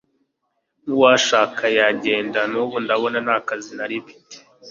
nuwashaka yagenda nubu ndabona nakazi narimfite